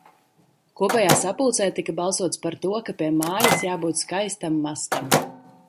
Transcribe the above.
Kopējā sapulcē tika balsots par to, ka pie mājas jābūt skaistam mastam.